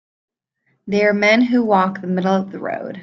They are men who walk the middle of the road.